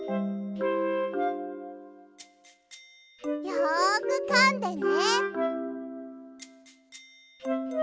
よくかんでね。